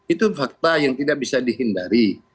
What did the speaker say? itu fakta yang tidak bisa dihindari